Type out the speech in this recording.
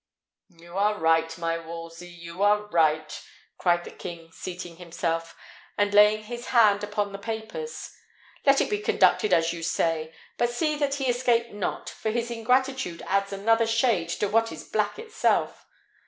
"You are right, my Wolsey; you are right!" cried the king, seating himself, and laying his hand upon the papers; "let it be conducted as you say. But see that he escape not, for his ingratitude adds another shade to what is black itself.